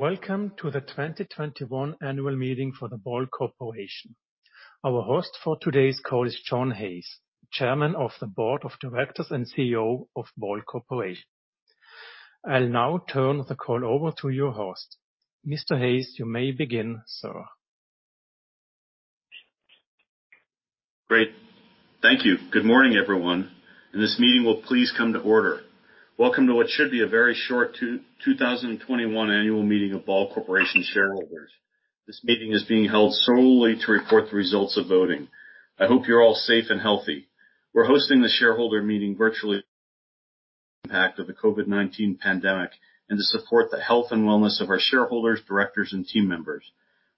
Welcome to the 2021 annual meeting for the Ball Corporation. Our host for today's call is John Hayes, Chairman of the Board of Directors and CEO of Ball Corporation. I'll now turn the call over to your host. Mr. Hayes, you may begin, sir. Great. Thank you. Good morning, everyone. This meeting will please come to order. Welcome to what should be a very short 2021 annual meeting of Ball Corporation shareholders. This meeting is being held solely to report the results of voting. I hope you're all safe and healthy. We're hosting this shareholder meeting virtually, impact of the COVID-19 pandemic and to support the health and wellness of our shareholders, directors, and team members.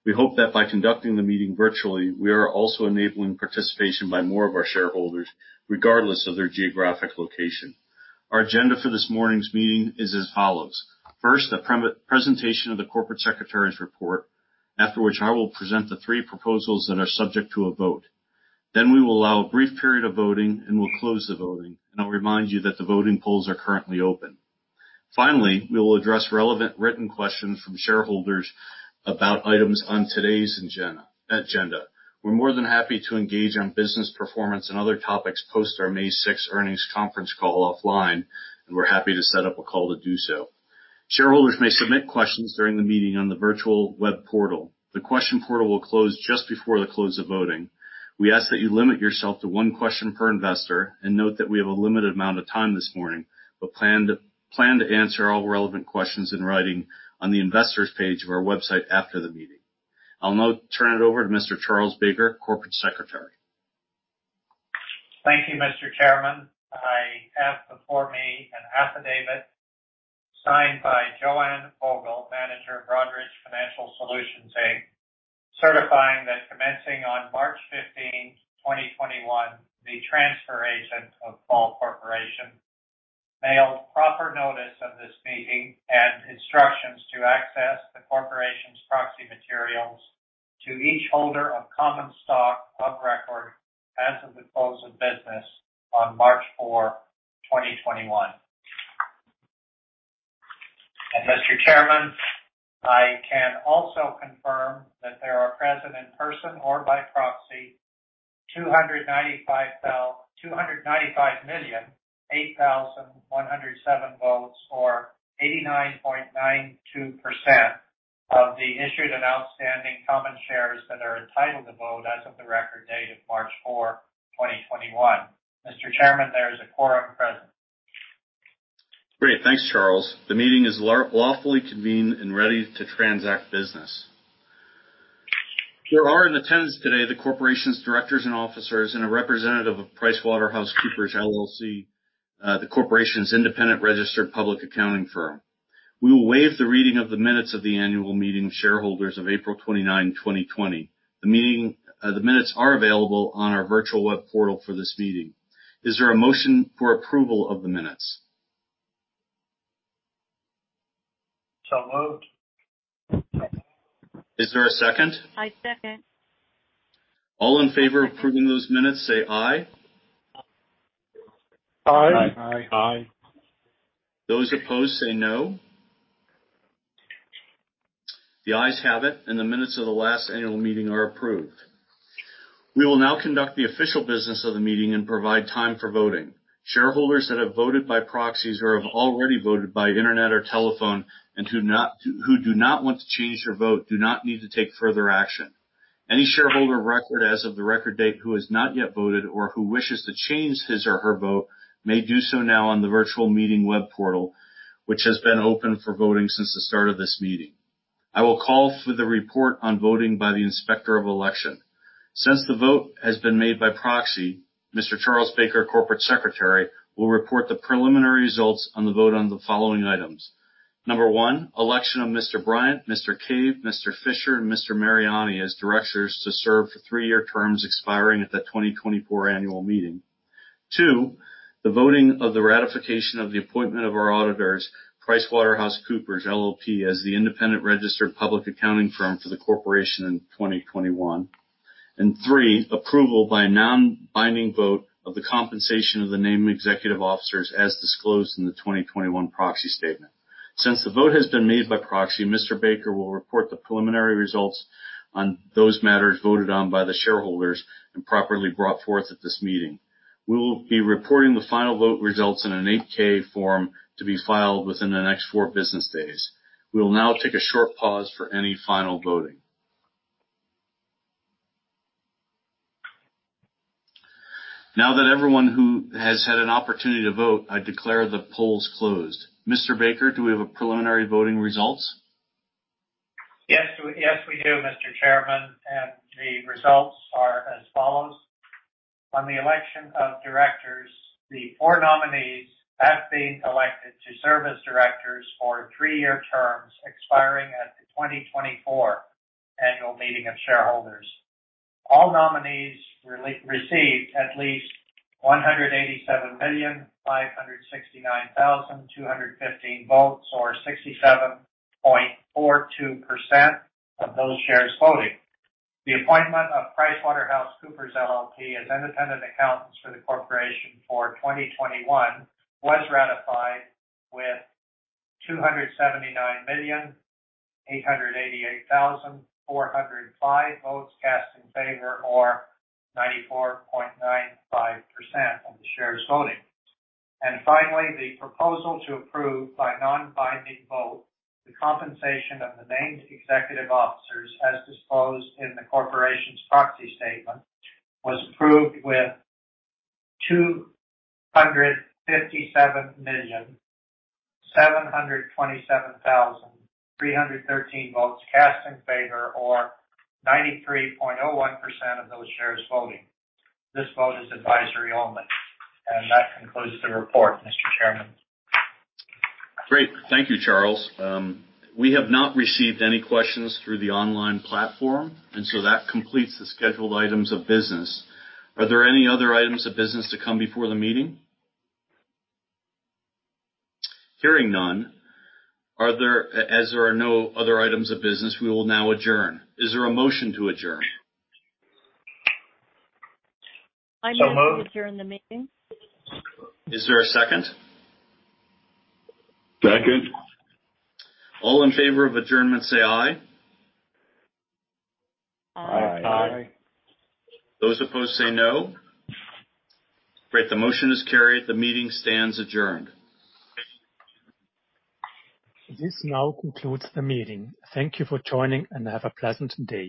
We hope that by conducting the meeting virtually, we are also enabling participation by more of our shareholders, regardless of their geographic location. Our agenda for this morning's meeting is as follows. First, a presentation of the corporate secretary's report, after which I will present the three proposals that are subject to a vote. We will allow a brief period of voting and will close the voting. I'll remind you that the voting polls are currently open. Finally, we will address relevant written questions from shareholders about items on today's agenda. We're more than happy to engage on business performance and other topics post our May 6th earnings conference call offline, and we're happy to set up a call to do so. Shareholders may submit questions during the meeting on the virtual web portal. The question portal will close just before the close of voting. We ask that you limit yourself to one question per investor and note that we have a limited amount of time this morning, but plan to answer all relevant questions in writing on the investors page of our website after the meeting. I'll now turn it over to Mr. Charles Baker, Corporate Secretary. Thank you, Mr. Chairman. I have before me an affidavit signed by Joanne Ogle, Manager of Broadridge Financial Solutions, Inc., certifying that commencing on March 15th, 2021, the transfer agent of Ball Corporation mailed proper notice of this meeting and instructions to access the corporation's proxy materials to each holder of common stock of record as of the close of business on March 4th, 2021. Mr. Chairman, I can also confirm that there are present in person or by proxy 295,008,107 votes, or 89.92% of the issued and outstanding common shares that are entitled to vote as of the record date of March 4th, 2021. Mr. Chairman, there is a quorum present. Great. Thanks, Charles. The meeting is lawfully convened and ready to transact business. There are in attendance today the corporation's directors and officers and a representative of PricewaterhouseCoopers, LLP, the corporation's independent registered public accounting firm. We will waive the reading of the minutes of the annual meeting of shareholders of April 29, 2020. The minutes are available on our virtual web portal for this meeting. Is there a motion for approval of the minutes? Moved. Is there a second? I second. All in favor of approving those minutes say aye. Aye. Aye. Aye. Those opposed say no. The ayes have it, and the minutes of the last annual meeting are approved. We will now conduct the official business of the meeting and provide time for voting. Shareholders that have voted by proxies or have already voted by internet or telephone and who do not want to change their vote do not need to take further action. Any shareholder record as of the record date who has not yet voted or who wishes to change his or her vote may do so now on the virtual meeting web portal, which has been open for voting since the start of this meeting. I will call for the report on voting by the Inspector of Election. Since the vote has been made by proxy, Mr. Charles Baker, Corporate Secretary, will report the preliminary results on the vote on the following items. Number one, election of Mr. Bryant, Mr. Cave, Mr. Fisher, and Mr. Mariani as directors to serve for three-year terms expiring at the 2024 annual meeting. Two, the voting of the ratification of the appointment of our auditors, PricewaterhouseCoopers, LLP, as the independent registered public accounting firm for the corporation in 2021. Three, approval by a non-binding vote of the compensation of the named executive officers as disclosed in the 2021 proxy statement. Since the vote has been made by proxy, Mr. Baker will report the preliminary results on those matters voted on by the shareholders and properly brought forth at this meeting. We will be reporting the final vote results in an 8-K form to be filed within the next four business days. We will now take a short pause for any final voting. Now that everyone who has had an opportunity to vote, I declare the polls closed. Mr. Baker, do we have a preliminary voting results? Yes, we do, Mr. Chairman. The results are as follows. On the election of directors, the four nominees have been elected to serve as directors for three-year terms expiring at the 2024 annual meeting of shareholders. All nominees received at least 187,569,215 votes, or 67.42% of those shares voting. The appointment of PricewaterhouseCoopers, LLP as independent accountants for the corporation for 2021 was ratified with 279,888,405 votes cast in favor or 94.95% of the shares voting. Finally, the proposal to approve by non-binding vote the compensation of the named executive officers as disclosed in the corporation's proxy statement was approved with 257,727,313 votes cast in favor or 93.01% of those shares voting. This vote is advisory only. That concludes the report, Mr. Chairman. Great. Thank you, Charles. We have not received any questions through the online platform. That completes the scheduled items of business. Are there any other items of business to come before the meeting? Hearing none, as there are no other items of business, we will now adjourn. Is there a motion to adjourn? I move to adjourn the meeting. Is there a second? Second. All in favor of adjournment, say aye. Aye. Aye. Those opposed, say no. Great. The motion is carried. The meeting stands adjourned. This now concludes the meeting. Thank you for joining, and have a pleasant day.